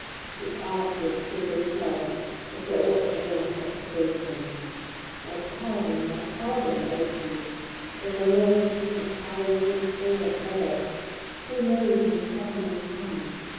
He asked, with a fatal smile, if that were all I had to say to him? " My pardon, my pardon !" I repeated. " Oh, for mercy's sake, five minutes more ! Who knows, my pardon may come.